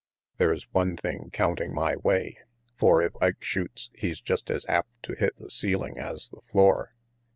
"There's one thing counting my way, for if Ike shoots, he's just as apt to hit the ceiling as the floor."